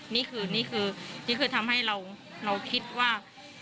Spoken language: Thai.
นี่คือทำให้เราคิดว่า